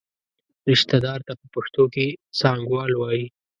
رشته دار ته په پښتو کې څانګوال وایي.